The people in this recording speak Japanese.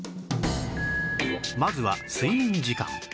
まずは睡眠時間